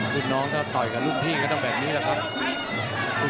คุณน้องต้องถอยกับลูกพี่ก็ต้องแบบนี้แหละครับ